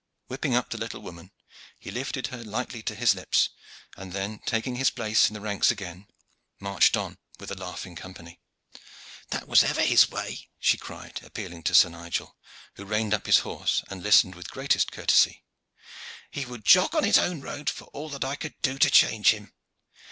Whipping up the little woman, he lifted her lightly to his lips, and then, taking his place in the ranks again, marched on with the laughing Company. "That was ever his way," she cried, appealing to Sir Nigel, who reined up his horse and listened with the greatest courtesy. "He would jog on his own road for all that I could do to change him.